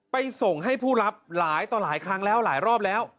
ไปส่งให้ผู้รับหลายต่อหลายครั้งแล้วหลายรอบแล้ว